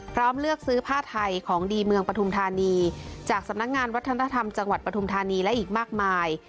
เลือกซื้อผ้าไทยของดีเมืองปฐุมธานีจากสำนักงานวัฒนธรรมจังหวัดปฐุมธานีและอีกมากมาย